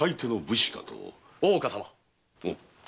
大岡様。